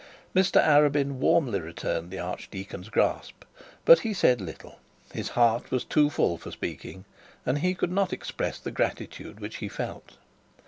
Mr Arabin warmly returned the archdeacon's grasp, but he said little. His heart was too full for speaking, and he could not express the gratitude which he felt.